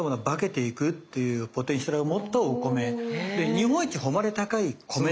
日本一誉れ高い米なので。